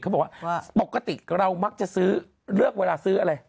เขาบอกว่าปกติเรามักจะซื้อเลือกเวลาซื้ออะไร